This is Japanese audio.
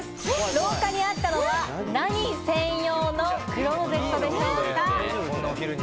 廊下にあったのは何専用のクローゼットでしょうか？